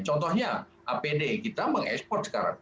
contohnya apd kita mengekspor sekarang